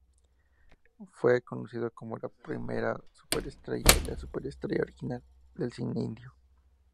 Fue conocido como la "primera superestrella" y la "superestrella original" del cine indio.